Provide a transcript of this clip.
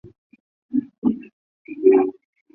众议院是立法的主要机关。